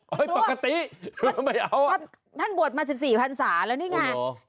โอ้ยปกติไม่เอาอ่ะท่านบวชมาสิบสี่พันศาแล้วนี่ไงโอ้โห